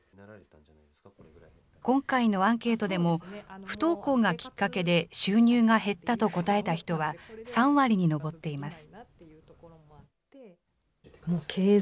今回のアンケートでも、不登校がきっかけで収入が減ったと答えた人は３割に上っています。